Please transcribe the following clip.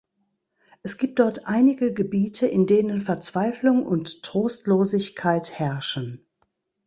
Es gibt dort einige Gebiete, in denen Verzweiflung und Trostlosigkeit herrschen.